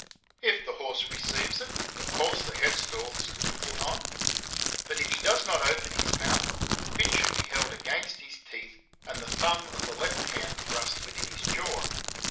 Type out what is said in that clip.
If the horse receives it, of course the head stalp3 is to be put on; but if he does not open his mouth, the bit should be held against his teeth and the thumb of the left hand thrust within his jaw.